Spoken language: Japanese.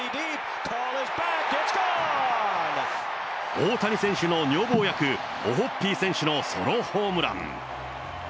大谷選手の女房役、オホッピー選手のソロホームラン。